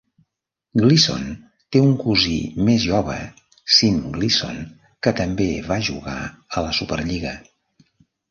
Gleeson té un cosí més jove, Sean Gleeson, que també va jugar a la Superlliga.